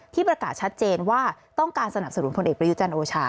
ประกาศชัดเจนว่าต้องการสนับสนุนพลเอกประยุจันทร์โอชา